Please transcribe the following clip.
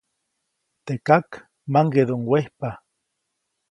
Teʼ kak maŋgeʼduʼuŋ wejpa.